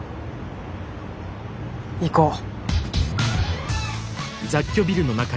行こう。